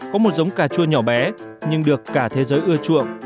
có một giống cà chua nhỏ bé nhưng được cả thế giới ưa chuộng